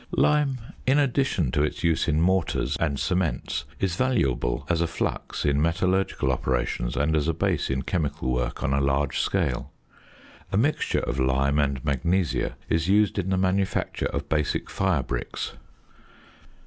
Lime, in addition to its use in mortars and cements, is valuable as a flux in metallurgical operations, and as a base in chemical work on a large scale. A mixture of lime and magnesia is used in the manufacture of basic fire bricks.